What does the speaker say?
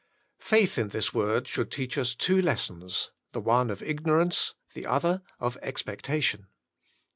Faith in this Word should teach us two lessons, the one of ignorance, the other of expectation.